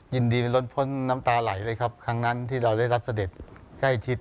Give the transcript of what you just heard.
ยินดีในรถพ้นน้ำตาไหลเลยครับครั้งนั้นที่เราได้รับเสด็จใกล้ชิด